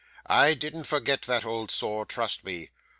I didn't forget that old sore, trust me.